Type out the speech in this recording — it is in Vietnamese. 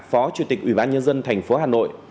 phó chủ tịch ủy ban nhân dân tp hà nội